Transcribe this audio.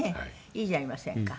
いいじゃありませんか。